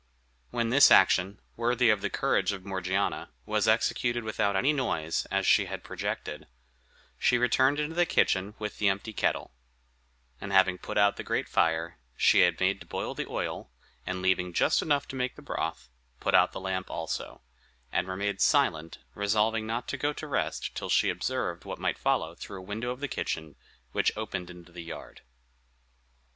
When this action, worthy of the courage of Morgiana, was executed without any noise, as she had projected, she returned into the kitchen with the empty kettle; and having put out the great fire, she had made to boil the oil, and leaving just enough to make the broth, put out the lamp also, and remained silent, resolving not to go to rest till she had observed what might follow through a window of the kitchen, which opened into the yard.